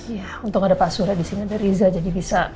ya untung ada pak surya disini ada riza jadi bisa